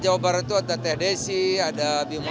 jawa barat itu ada teh desi ada bimo